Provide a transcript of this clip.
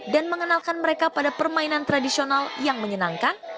dan mengenalkan mereka pada permainan tradisional yang menyenangkan